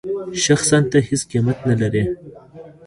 شخصاً ته هېڅ قېمت نه لرې.